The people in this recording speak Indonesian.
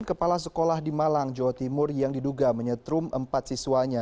kepala sekolah di malang jawa timur yang diduga menyetrum empat siswanya